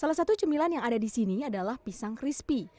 salah satu cemilan yang ada di sini adalah pisang crispy